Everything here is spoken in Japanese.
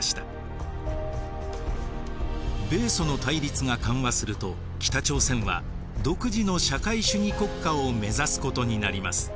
米ソの対立が緩和すると北朝鮮は独自の社会主義国家を目指すことになります。